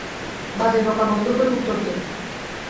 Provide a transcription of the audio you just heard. বাজে বকা বন্ধ করে উত্তর দে।